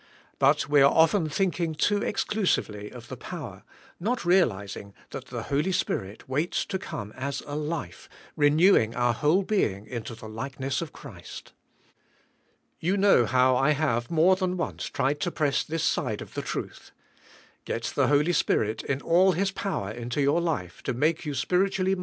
But we are often thinking too exclusively of the power, and not realizing that the Holy Spirit waits to come as a life, renewing our whole being into the likeness of Christ. You know how I have, more than once, tried to press this side of the truth. Get the Holy Spirit, in all His power, into your life, to make you spiritually THK hkave; ni.y trkasurk.